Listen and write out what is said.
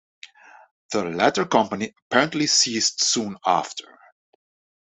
The latter company apparently ceased soon after.